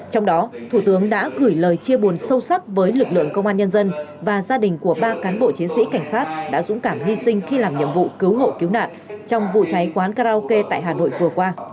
trong đó thủ tướng đã gửi lời chia buồn sâu sắc với lực lượng công an nhân dân và gia đình của ba cán bộ chiến sĩ cảnh sát đã dũng cảm hy sinh khi làm nhiệm vụ cứu hộ cứu nạn trong vụ cháy quán karaoke tại hà nội vừa qua